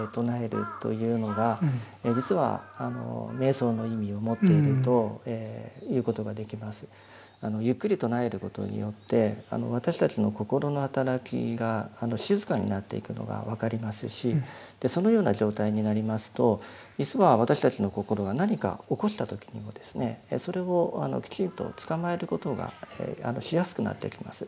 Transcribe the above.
今のようにゆっくり唱えることによって私たちの心の働きが静かになっていくのが分かりますしそのような状態になりますと実は私たちの心が何か起こした時にもそれをきちんとつかまえることがしやすくなっていきます。